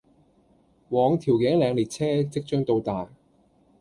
往調景嶺列車即將到達